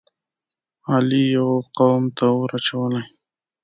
علی یوه قوم ته اور اچولی دی.